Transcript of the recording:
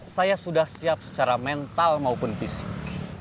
saya sudah siap secara mental maupun fisik